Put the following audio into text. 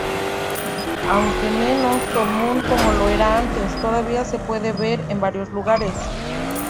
Aunque menos común como lo era antes, todavía se puede ver en varios lugares.